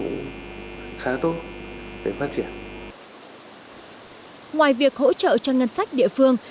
ngoài việc hỗ trợ cho ngân sách địa phương